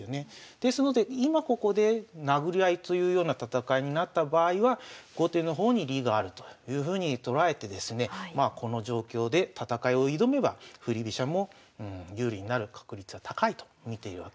ですので今ここでなぐり合いというような戦いになった場合は後手の方に利があるというふうに捉えてですねこの状況で戦いを挑めば振り飛車も有利になる確率は高いと見ているわけなんですね。